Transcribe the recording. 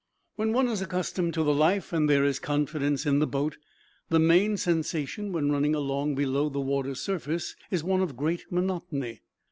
When one is accustomed to the life, and there is confidence in the boat, the main sensation when running along below the water's surface is one of great monotony.